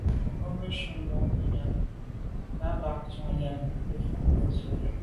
Mbwe njùmbwe ngùnyàm bo ngab Njon tshen nyàm ni fa ke ntsw’a là’.